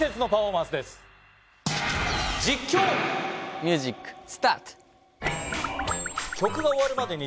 ミュージックスタート。